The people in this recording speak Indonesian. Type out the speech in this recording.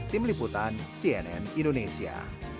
tim liputan cnn indonesia